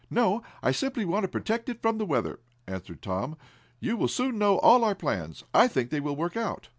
"No, I simply want to protect it from the weather," answered Tom. "You will soon know all our plans. I think they will work out."